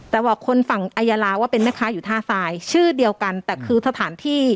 แต่บอกคนฝั่งอายาลาว่าเป็นแม่ค้าอยู่ท่าทรายชื่อเดียวกันแต่คือสถานที่